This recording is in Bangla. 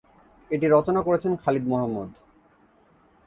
এটি রচনা করেছেন খালিদ মোহাম্মদ।